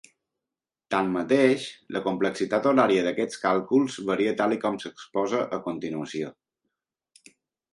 Tanmateix, la complexitat horària d'aquests càlculs varia tal i com s'exposa a continuació.